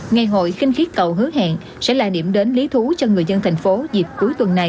ngày hội kinh khí cầu hứa hẹn sẽ là điểm đến lý thú cho người dân thành phố dịp cuối tuần này